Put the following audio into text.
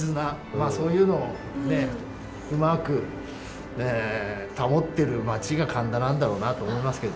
まあそういうのをねうまく保ってる町が神田なんだろうなと思いますけどね。